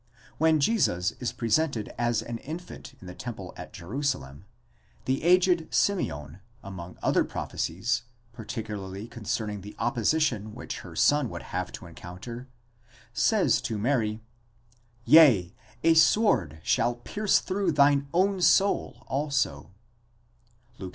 When Jesus is presented as an infant in the temple at Jerusalem, the aged Simeon, among other prophecies, particularly concerning the opposition which her son would have to encounter, says to Mary: Yea, a sword shall pierce through thine own soul also (Luke ii.